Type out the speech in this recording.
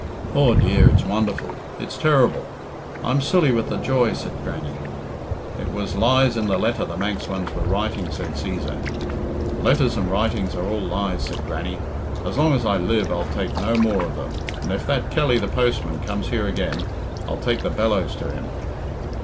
"Aw, dear! It's wonderful I it's terrible! I'm silly with the joy," said Grannie. "It was lies in the letter the Manx ones were writing," said Cæsar. "Letters and writings are all lies," said Grannie. "As long as I live I'll take no more of them, and if that Kelly, the postman, comes here again, I'll take the bellows to him."